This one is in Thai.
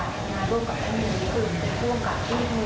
ดังนั้นคุณภาพทั้งงานก็ได้มือกับพี่รัก